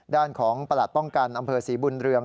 ด้านของประหลัดป้องกันอำเภอศรีบุญเรือง